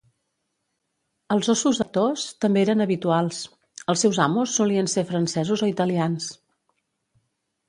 Els óssos actors també eren habituals; els seus amos solien ser francesos o italians.